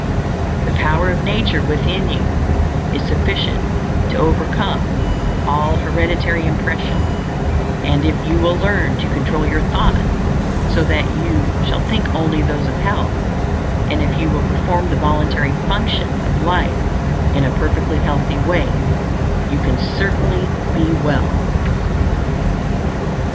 _ _The Power of Nature within you is sufficient to overcome all hereditary impressions, and if you will learn to control your thoughts, so that you shall think only those of health, and if you will perform the voluntary functions of life in a perfectly healthy way, you can certainly be well.